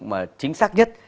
mà chính xác nhất